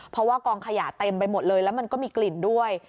เพราะว่ากองขยะเต็มไปหมดเลยแล้วมันก็มีกลิ่นด้วย